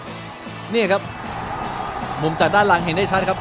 นี่ใช่ไหมครับมุมจากด้านล่างเห็นได้ชัดครับ